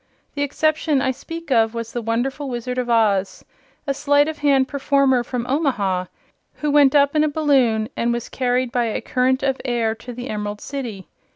The exception I speak of was the wonderful Wizard of Oz, a sleight of hand performer from Omaha who went up in a balloon and was carried by a current of air to the Emerald City.